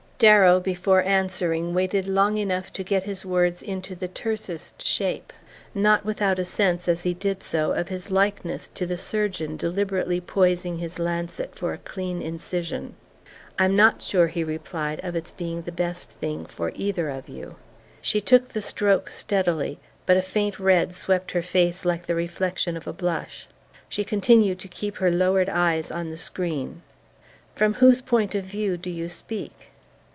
Darrow, before answering, waited long enough to get his words into the tersest shape not without a sense, as he did so, of his likeness to the surgeon deliberately poising his lancet for a clean incision. "I'm not sure," he replied, "of its being the best thing for either of you." She took the stroke steadily, but a faint red swept her face like the reflection of a blush. She continued to keep her lowered eyes on the screen. "From whose point of view do you speak?"